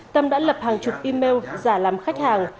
tâm đã lập hàng chục email giả làm khách hàng